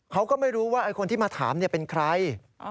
เขาก็ไม่รู้ว่าคนที่มาถามเป็นใคร